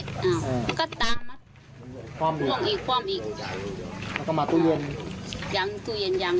แล้วก็ตามล่วงอีกคว่ำอีกแล้วก็มาตู้เย็น